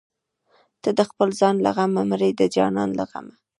ته د خپل ځان له غمه مرې زه د جانان له غمه